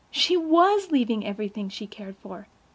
She was leaving everything she cared for.